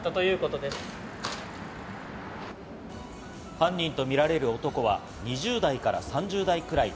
犯人とみられる男は２０代から３０代くらい。